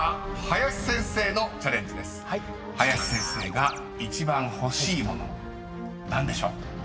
［林先生が一番欲しい物何でしょう？］